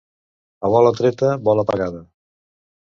A bola treta, bola pagada.